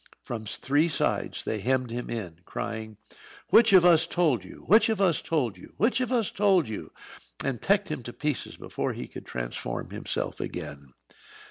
From three sides they hemmed him in, crying, "Which of us told you?" "Which of us told you?" "Which of us told you?" and pecked him to pieces before he could transform himself again.